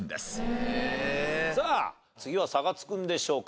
さあ次は差がつくんでしょうか。